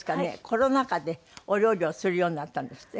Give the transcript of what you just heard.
コロナ禍でお料理をするようになったんですって？